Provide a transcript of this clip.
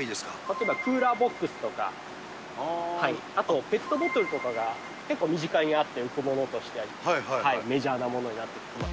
例えばクーラーボックスとか、あとペットボトルとかが結構身近にあって、浮くものとしてはメジャーなものになってきます。